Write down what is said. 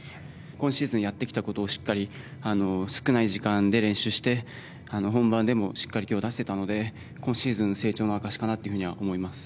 今シーズンやってきたことをしっかり少ない時間で練習して本番でもしっかり出せたので今シーズンの成長の証しかなというふうには思います。